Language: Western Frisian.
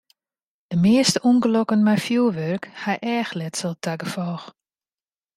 De measte ûngelokken mei fjurwurk ha eachletsel ta gefolch.